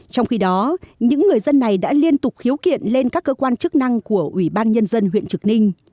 trong khi đó những người dân này đã liên tục khiếu kiện lên các cơ quan chức năng của ủy ban nhân dân huyện trực ninh